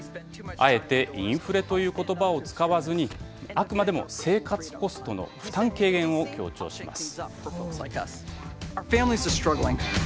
あえてインフレということばを使わずに、あくまでも生活コストの負担軽減を強調します。